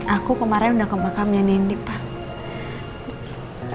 aku kemarin udah ke makamnya nindi pak